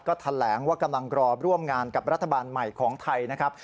ก็แถลงว่ากำลังรอร่วมงานกับรัฐบาลใหม่ของไทยนะครับ